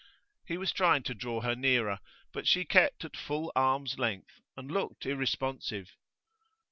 He was trying to draw her nearer, but she kept at full arm's length and looked irresponsive.